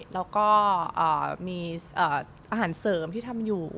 แล้วก็มีอาหารเสริมที่ทำอยู่